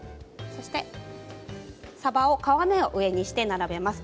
そしてさばを皮目を上にして並べます。